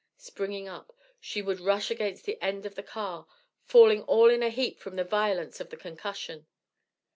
Springing up, she would rush against the end of the car, falling all in a heap from the violence of the concussion.